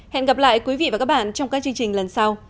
hẹn gặp lại quý vị và các bạn trong các chương trình lần sau